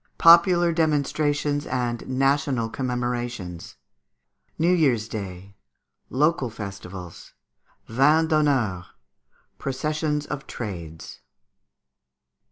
Popular Demonstrations and National Commemorations. New Year's Day. Local Festivals. Vins d'Honneur. Processions of Trades.